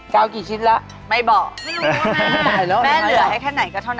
จะเอากี่ชิ้นละไม่บอกไม่รู้นะแม่เหลือให้แค่ไหนก็เท่านั้น